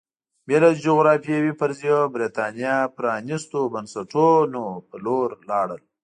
بې له جغرافیوي فرضیو برېټانیا پرانېستو بنسټونو په لور لاړل